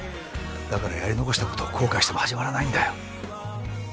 だからやり残したことを後悔しても始まらないんだよ